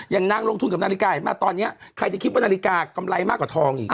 อย่างนางลงทุนกับนาฬิกาเห็นมาตอนนี้ใครจะคิดว่านาฬิกากำไรมากกว่าทองอีก